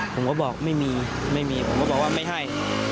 ผมก็บอกไม่มีไม่มีผมก็บอกว่าไม่ให้